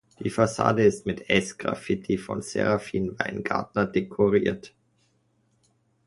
Die Fassade ist mit Sgraffiti von Seraphin Weingartner dekoriert.